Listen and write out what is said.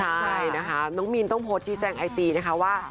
ใช่นะคะน้องมีนต้องโพสต์ชี้แจงไอจีนะคะว่า